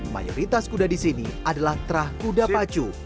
mayoritas kuda di sini adalah terah kuda pacu